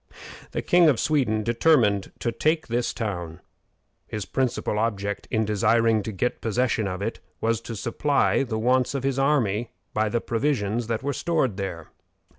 The King of Sweden determined to take this town. His principal object in desiring to get possession of it was to supply the wants of his army by the provisions that were stored there.